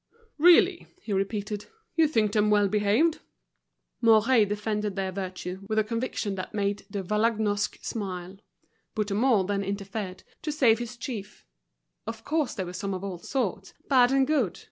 "Really," he repeated, "you think them well behaved." Mouret defended their virtue with a conviction which made De Vallagnosc smile. Bouthemont then interfered, to save his chief. Of course there were some of all sorts, bad and good.